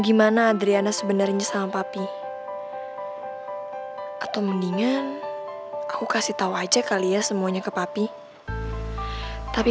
gimana adriana sebenarnya sama papi atau mendingan aku kasih tahu aja kali ya semuanya ke papi tapi